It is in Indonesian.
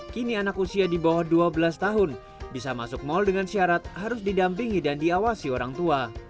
kini anak usia di bawah dua belas tahun bisa masuk mal dengan syarat harus didampingi dan diawasi orang tua